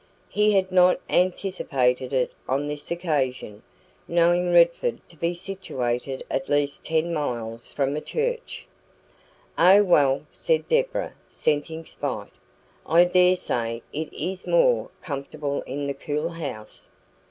He had not anticipated it on this occasion, knowing Redford to be situated at least ten miles from a church. "Oh, well," said Deborah, scenting spite, "I daresay it IS more comfortable in the cool house."